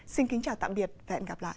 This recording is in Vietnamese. xin kính chào tạm biệt và hẹn gặp lại